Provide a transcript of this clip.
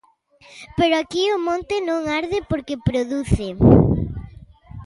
Pero aquí o monte non arde porque produce.